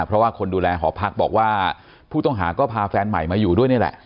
เพราะว่าคนดูแลหอพักบอกว่าผู้ต้องหาก็พาแฟนใหม่มาอยู่ด้วยนี่แหละ